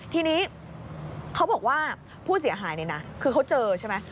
ทีนี้เขาบอกว่าผู้เสียหายเนี่ยนะคือเขาเจอใช่ไหม